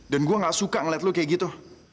dan gue gak suka ngeliat lo kayak gitu